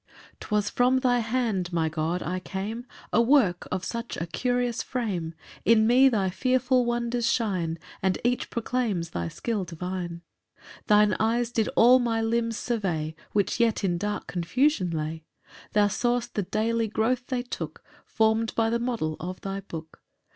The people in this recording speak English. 1 'Twas from thy hand, my God, I came, A work of such a curious frame; In me thy fearful wonders shine, And each proclaims thy skill divine. 2 Thine eyes did all my limbs survey, Which yet in dark confusion lay; Thou saw'st the daily growth they took, Form'd by the model of thy book.